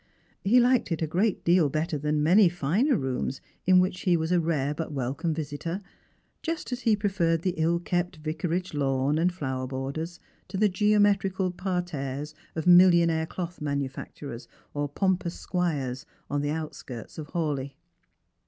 He liked it a great deal better than many finer rooms in which he was a rare but welcome visitor, just as he preferred the ill kept Vicarage lawn and flower borders to the geometrical parterres of millionaire cloth manufacturers or pompous squires on the outskirts of Hawleigh.